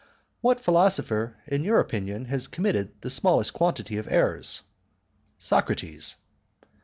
"What philosopher, in your opinion, has committed the smallest quantity of errors?" "Socrates."